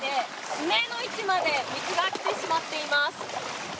すねの位置まで水が来てしまっています。